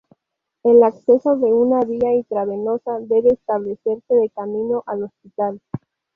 El acceso de una vía intravenosa debe establecerse de camino al hospital.